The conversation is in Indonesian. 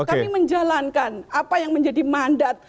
kami menjalankan apa yang menjadi mandat